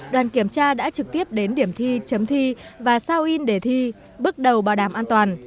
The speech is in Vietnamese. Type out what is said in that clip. đoàn kiểm tra đã trực tiếp đến điểm thi chấm thi và sao in để thi bước đầu bảo đảm an toàn